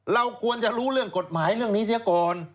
เราควรจะรู้เรื่องกฎหมายเรื่องนี้เสียก่อน